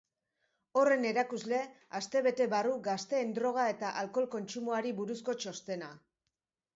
Horren erakusle, aste bete barru gazteen droga eta alkohol kontsumoari buruzko txostena.